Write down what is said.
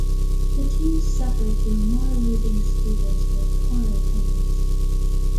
The team suffered through more losing seasons with poor attendance.